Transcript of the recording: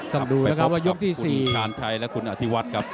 ต้องดูนะครับว่ายกที่๔ไปตบกับคุณขาญชัยและคุณอธิวัตรครับ